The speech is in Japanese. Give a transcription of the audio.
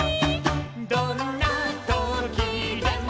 「どんなときでも」